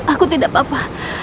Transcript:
aku tidak apa apa